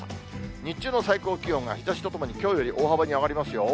日中の最高気温が日ざしとともに大幅に上がりますよ。